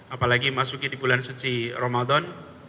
apalagi masuknya di bulan suci ramadan